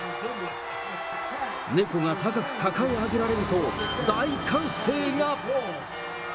猫が高く抱え上げられると大歓声が。